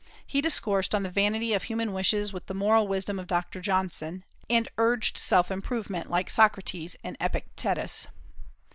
He discoursed on the vanity of human wishes with the moral wisdom of Dr. Johnson, and urged self improvement like Socrates and Epictetus.